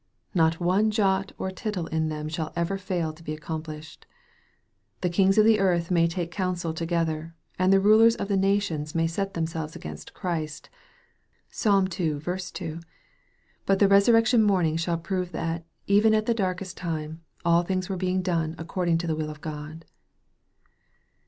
Not one jot or tittle in them shall ever fail to be accomplished. The kings of the earth may take counsel together, and the rulers of the nations may set themselves against Christ (Psal. ii. 2), but the resurrec tion morning shall prove that, even at the darkest time, all things were being done according to the will of God.